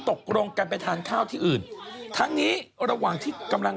ตกลงกันไปทานข้าวที่อื่นทั้งนี้ระหว่างที่กำลัง